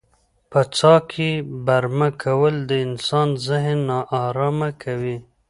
په څاه کې برمه کول د انسان ذهن نا ارامه کوي.